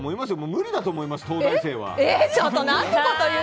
無理だと思います、東大生は。